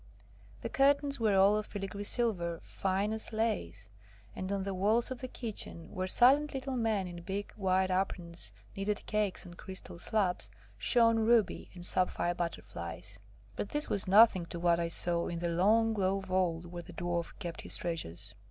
The curtains were all of filigree silver, fine as lace, and on the walls of the kitchen, where silent little men in big white aprons kneaded cakes on crystal slabs, shone ruby and sapphire butterflies. But this was nothing to what I saw in the long low vault where the Dwarf kept his treasures.